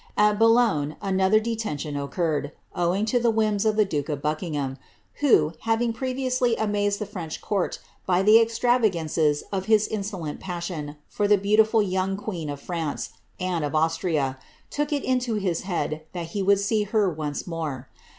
At Boulogne another detention occurred, owing to the whims of the duke of Buckmgham, who, havinff previously amazed the French court by the extravagances of his insolent passion for the beautiful young queen of France, Anne of Austria, took it into his head that he would see her once more.